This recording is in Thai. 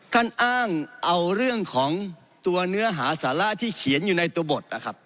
ท่านอ้างเอาเรื่องของตัวเนื้อหาสาระที่เขียนอยู่ในตัวบทนะครับ